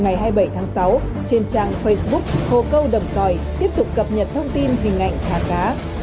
ngày hai mươi bảy tháng sáu trên trang facebook hồ câu đầm sòi tiếp tục cập nhật thông tin hình ảnh thả cá